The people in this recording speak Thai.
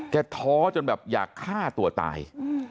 ท้อจนแบบอยากฆ่าตัวตาย